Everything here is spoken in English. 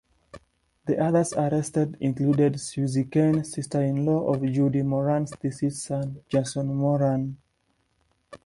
The others arrested included Suzie Kane, sister-in-law of Judy Moran's deceased son, Jason Moran.